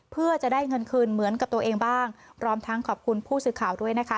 เพื่อจะได้เงินคืนเหมือนกับตัวเองบ้างพร้อมทั้งขอบคุณผู้สื่อข่าวด้วยนะคะ